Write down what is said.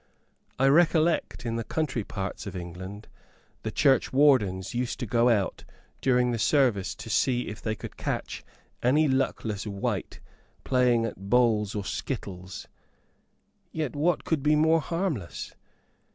I recollect, in the country parts of England, the churchwardens used to go out during the service to see if they could catch any luckless wight playing at bowls or skittles; yet what could be more harmless?